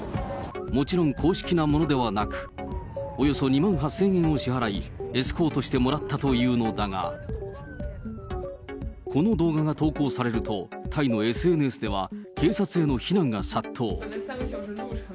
もちろん、公式なものではなく、およそ２万８０００円を支払い、エスコートしてもらったというのだが、この動画が投稿されると、タイのＳＮＳでは警察への非難が殺到。